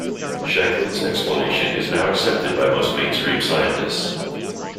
Shankland's explanation is now accepted by most mainstream scientists.